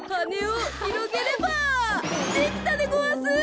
できたでごわす！